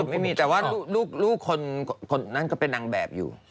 ไม่มีแต่ว่าลูกคนนั้นก็เป็นนางแบบอยู่